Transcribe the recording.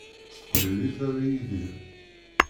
S teqbaylit ara yidir.